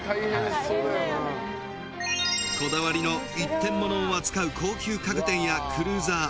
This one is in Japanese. はいこだわりの一点モノを扱う高級家具店やクルーザー